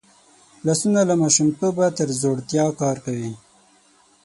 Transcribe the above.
لاسونه له ماشومتوبه تر زوړتیا کار کوي